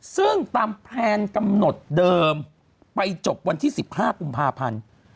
ซึ่งตามแพลนกำหนดเดิมไปจบวันที่๑๕กุมภาพันธ์